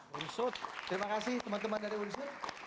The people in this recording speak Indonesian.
terima kasih teman teman dari uin syarif